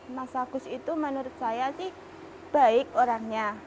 mas agus itu menurut saya sih baik orangnya